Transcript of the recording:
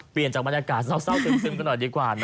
เปลี่ยนจากบรรยากาศเจ้าเพิ่มกันดีกว่า